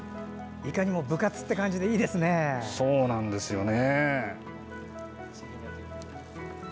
いかにも部活って感じでいいですね。